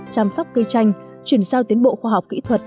chăm sóc cây chanh chuyển giao tiến bộ khoa học kỹ thuật